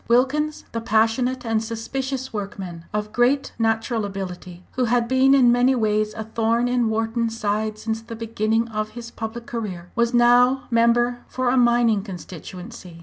Wilkins, the passionate and suspicious workman, of great natural ability, who had been in many ways a thorn in Wharton's side since the beginning of his public career, was now member for a mining constituency.